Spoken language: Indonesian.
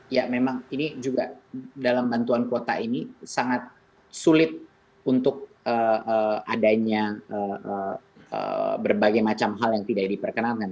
ya memang ini juga dalam bantuan kuota ini sangat sulit untuk adanya berbagai macam hal yang tidak diperkenalkan